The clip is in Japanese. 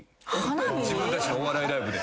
自分たちのお笑いライブで。